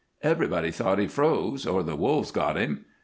Everybody thought he froze or the wolves got him.